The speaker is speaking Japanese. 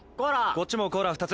こっちもコーラ２つ。